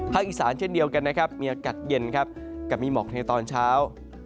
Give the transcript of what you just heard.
อีสานเช่นเดียวกันนะครับมีอากาศเย็นครับกับมีหมอกในตอนเช้า